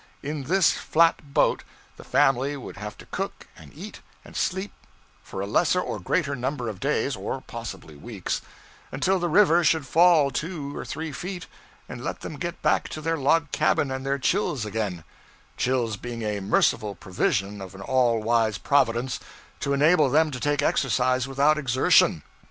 In this flat boat the family would have to cook and eat and sleep for a lesser or greater number of days (or possibly weeks), until the river should fall two or three feet and let them get back to their log cabin and their chills again chills being a merciful provision of an all wise Providence to enable them to take exercise without exertion.